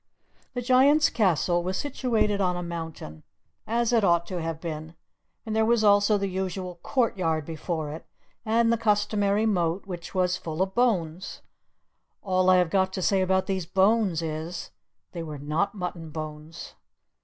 The Giant's castle was situated on a mountain, as it ought to have been, and there was also the usual courtyard before it, and the customary moat, which was full of bones! All I have got to say about these bones is, they were not mutton bones.